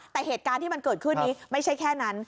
แต่เหตุการณ์ที่มันเกิดขึ้นนี้ไม่ใช่แค่นั้น